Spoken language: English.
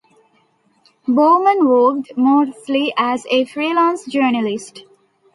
Bowman worked mostly as a freelance journalist.